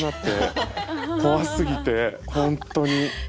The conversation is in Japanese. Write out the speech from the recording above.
怖すぎて本当に。